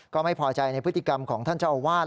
ก็ไม่พอใจในพฤติกรรมของท่านเจ้าอาวาส